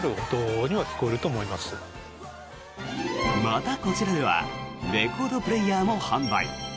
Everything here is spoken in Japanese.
また、こちらではレコードプレーヤーも販売。